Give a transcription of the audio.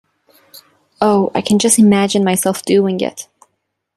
Oh, I can just imagine myself doing it.